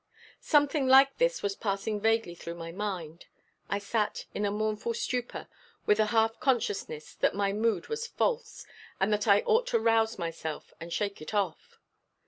Something like this was passing vaguely through my mind. I sat in a mournful stupor, with a half consciousness that my mood was false, and that I ought to rouse myself and shake it off.